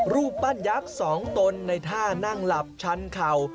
รูปปั้นยักษ์๒ตนในท่านั่งหลับชันเข่า